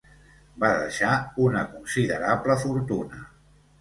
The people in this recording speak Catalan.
Va deixar una considerable fortuna.